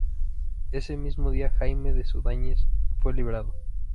Ese mismo día Jaime de Zudáñez fue liberado.